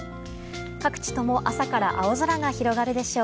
各地とも朝から青空が広がるでしょう。